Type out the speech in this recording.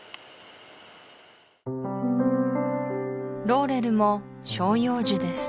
ローレルも照葉樹です